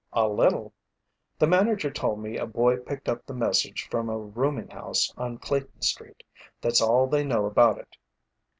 "A little. The manager told me a boy picked up the message from a rooming house on Clayton street. That's all they know about it."